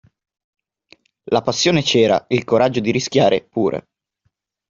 La passione c’era, il coraggio di rischiare pure.